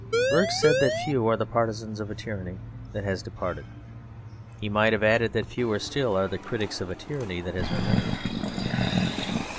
Burke said that few are the partisans of a tyranny that has departed: he might have added that fewer still are the critics of a tyranny that has remained.